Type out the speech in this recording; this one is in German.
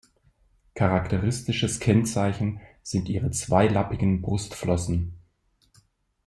Charakteristisches Kennzeichen sind ihre zweilappigen Brustflossen.